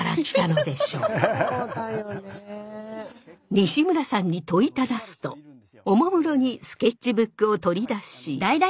西村さんに問いただすとおもむろにスケッチブックを取り出し。